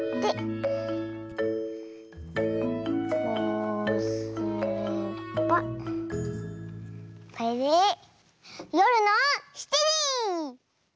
こうすればこれでよるの７じ！